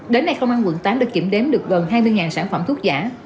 đến nay công an quận tám đã kiểm đếm được gần hai mươi sản phẩm thuốc giả